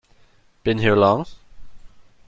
Been here long?